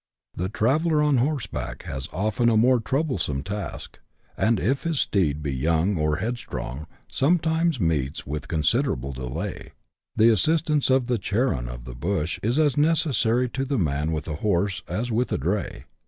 The traveller on horseback has often a more troublesome task, and, if his steed be young or headstrong, sometimes meets with considerable delay. The assistance of the Charon of the bush is as necessary to the man with a horse as with a dray.